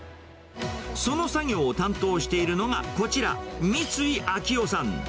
その作業を担当しているのがこちら、三井あきおさん。